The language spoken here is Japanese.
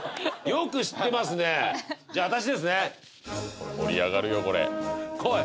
これ盛り上がるよ来い！